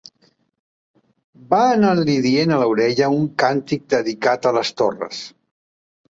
Va anant-li dient a l'orella un càntic dedicat a les torres